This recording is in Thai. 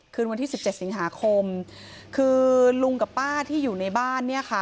คืนวันที่สิบเจ็ดสิงหาคมคือลุงกับป้าที่อยู่ในบ้านเนี่ยค่ะ